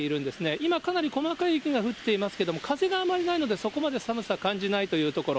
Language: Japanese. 今、かなり細かい雪が降っていますけども、風があまりないのでそこまで寒さは感じないというところ。